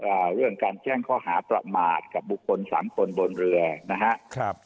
เรื่องการแจ้งข้อหาประมาทกับบุคคลสามคนบนเรือนะฮะครับ